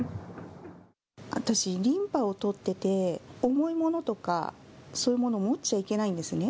私、リンパをとってて、重いものとか、そういうものを持っちゃいけないんですね。